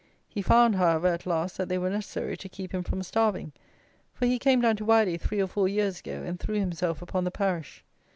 He found, however, at last, that they were necessary to keep him from starving; for he came down to Wyly, three or four years ago, and threw himself upon the parish.